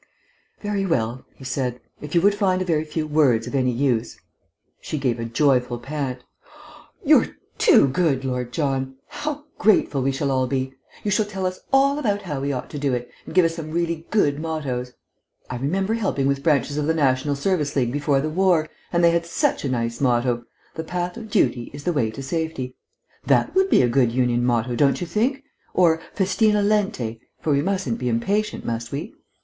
"Very well," he said. "If you would find a very few words of any use " She gave a joyful pant. "You're too good, Lord John! How grateful we shall all be! You shall tell us all about how we ought to do it, and give us some really good mottoes!... I remember helping with branches of the National Service League before the war, and they had such a nice motto 'The path of duty is the way to safety.' ... That would be a good Union motto, don't you think? Or 'Festina lente' for we mustn't be impatient, must we?